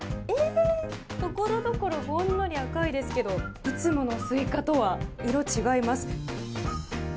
ところどころほんのり赤いですけどいつものスイカとは色が違います。